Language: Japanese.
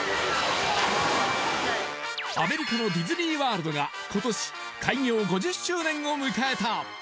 アメリカのディズニー・ワールドが今年開業５０周年を迎えた！